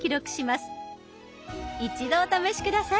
一度お試し下さい。